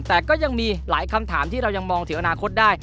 แต่ก็ยังมีหลายคำถามที่เรายังมองถึงอนาคตได้